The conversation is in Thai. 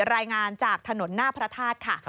รายงานจากถนนหน้าพระธาตุค่ะ